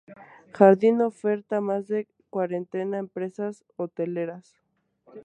Jardín oferta más de cuarenta empresas hoteleras.